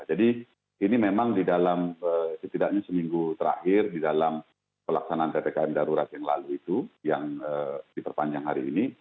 jadi ini memang di dalam setidaknya seminggu terakhir di dalam pelaksanaan ptkm darurat yang lalu itu yang diperpanjang hari ini